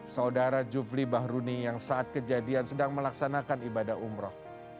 saudara jufli bahruni yang saat kejadian sedang melaksanakan perjalanan ke aceh